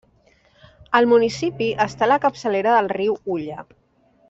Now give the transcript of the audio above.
Al municipi està la capçalera del riu Ulla.